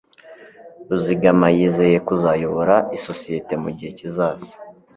Ruzigama yizeye kuzayobora isosiyete mugihe kizaza.